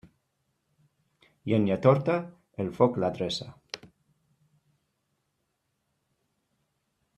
Llenya torta, el foc l'adreça.